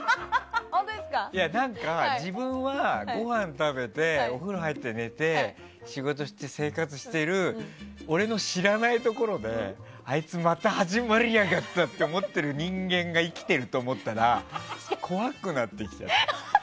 何か自分はごはんを食べてお風呂に入って、寝て仕事して、生活している俺の知らないところであいつ、また始まりやがったって思っている人間が生きてると思ったら怖くなってきちゃった。